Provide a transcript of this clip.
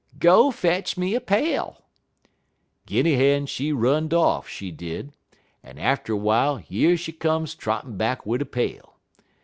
"'Go fetch me a pail!' "Guinny hin, she run'd off, she did, en atter w'ile yer she come trottin' back wid a pail.